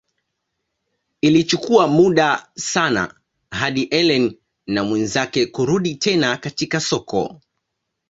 Ilichukua muda sana hadi Ellen na mwenzake kurudi tena katika soko.